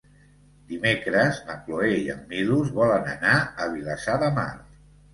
Dimecres na Cloè i en Milos volen anar a Vilassar de Mar.